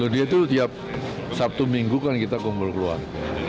dia itu tiap sabtu minggu kan kita kumpul keluar